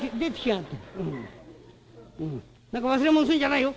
何か忘れ物するんじゃないよ！